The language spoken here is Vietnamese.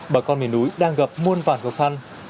bà con mềm núi đang gặp muôn vạn khó khăn